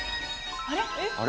あれ？